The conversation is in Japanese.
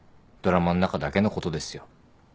ドラマの中だけのことですよ。